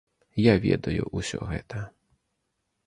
Я ведаю ўсё гэта.